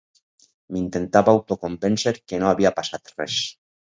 M’intentava autoconvéncer que no havia passat res.